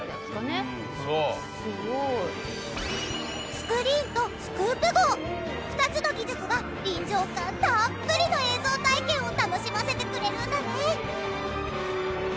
スクリーンとスクープ号２つの技術が臨場感たっぷりの映像体験を楽しませてくれるんだね。